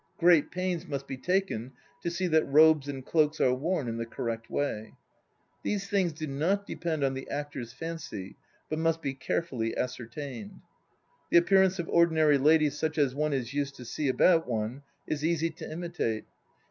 Great pains must be taken to see that robes and cloaks are worn in the correct way. These things do not depend on the actor's fancy but must be carefully ascertained. The appearance of ordinary ladies such as one is used to see about one is easy to imitate.